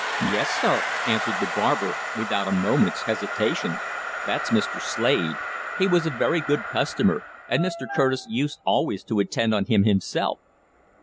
"Yes, sir," answered the barber, without a moment's hesitation. "That's Mr. Slade. He was a very good customer, and Mr. Curtis used always to attend on him himself."